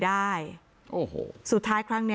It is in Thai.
ลักษณ์มากกว่า